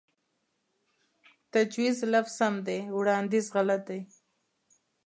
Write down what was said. تجويز لفظ سم دے وړانديز غلط دے